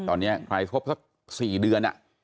ตอนนี้ใครครบสัก๔เดือน